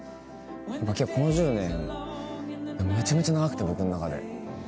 この１０年めちゃめちゃ長くて僕の中で。